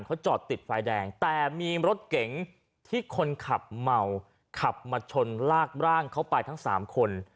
เขาจอดติดไฟแดงแต่มีรถเก๋งที่คนขับเมาขับมาชนลากร่างเขาไปทั้งสามคน